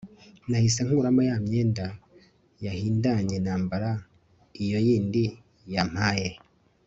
nahise nkuramo yamyenda yahindanye nambara iyo yindi yampaye